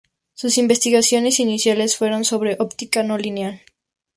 Sus investigaciones iniciales fueron sobre Óptica no lineal.